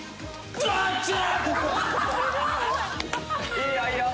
・いいよいいよ